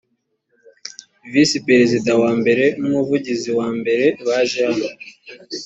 visi perezida wa mbere nu umuvugizi wa mbere baje hano